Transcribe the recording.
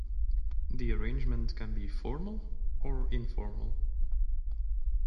The arrangement can be formal or informal.